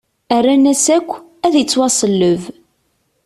Rran-as akk: Ad ittwaṣelleb!